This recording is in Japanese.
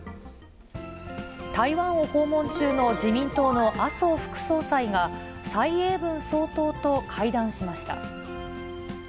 台湾を訪問中の自民党の麻生副総裁が、蔡英文総統と会談しました。